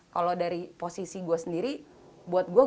kalau dari posisi gue sendiri buat gue